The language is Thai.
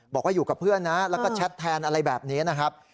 บอกว่าอยู่กับเพื่อนนะแล้วก็แชทแทนอะไรแบบนี้นะครับ